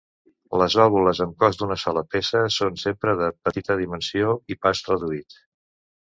Les vàlvules amb cos d'una sola peça són sempre de petita dimensió i pas reduït.